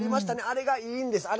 あれがいいんです。